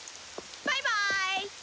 バイバイ！